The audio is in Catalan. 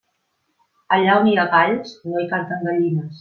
Allà on hi ha galls, no hi canten gallines.